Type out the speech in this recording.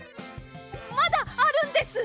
まだあるんです！